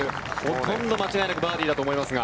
ほとんど間違いなくバーディーだと思いますが。